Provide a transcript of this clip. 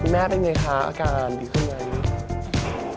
คุณแม่เป็นยังไงคะอาการดีขนาดนี้